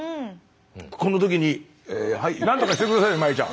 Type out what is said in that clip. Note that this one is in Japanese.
このときにはいなんとかして下さい麻衣ちゃん。